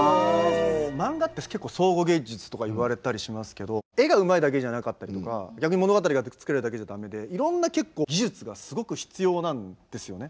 漫画って総合芸術とかいわれたりしますけど絵がうまいだけじゃなかったりとか逆に物語が作れるだけじゃダメでいろんな結構技術がすごく必要なんですよね。